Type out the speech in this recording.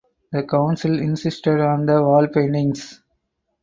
The council insisted on the wall paintings.